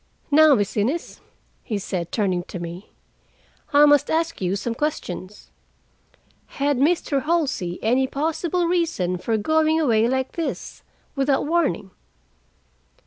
Now, Miss Innes," he said, turning to me, "I must ask you some questions. Had Mr. Halsey any possible reason for going away like this, without warning?"